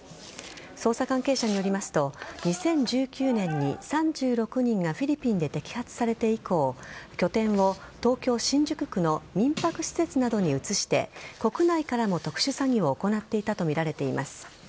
捜査関係者によりますと２０１９年に３６人がフィリピンで摘発されて以降拠点を東京・新宿区の民泊施設などに移して国内からも特殊詐欺を行っていたとみられています。